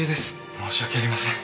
申し訳ありません。